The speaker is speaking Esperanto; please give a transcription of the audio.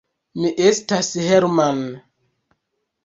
Mi estas Hermann!